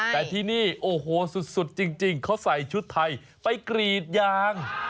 แต่ที่นี่โอ้โหสุดจริงเขาใส่ชุดไทยไปกรีดยาง